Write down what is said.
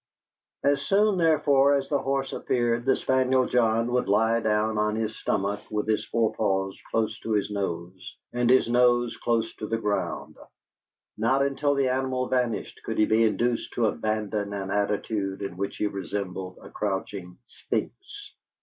As soon, therefore, as the horse appeared, the spaniel John would lie down on his stomach with his forepaws close to his nose, and his nose close to the ground; nor until the animal vanished could he be induced to abandon an attitude in which he resembled a couching Sphinx.